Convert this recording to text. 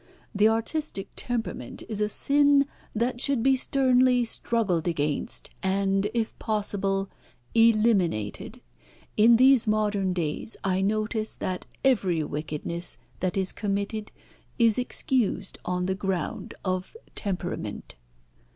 The artistic temperament is a sin that should be sternly struggled against, and, if possible, eliminated. In these modern days I notice that every wickedness that is committed is excused on the ground of temperament."